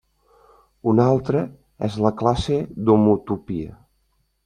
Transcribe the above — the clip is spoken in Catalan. Una altra és la classe d'homotopia.